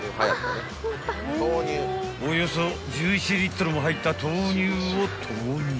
［およそ１１リットルも入った豆乳を投入］